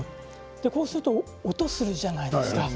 そうすると音がするじゃないですか。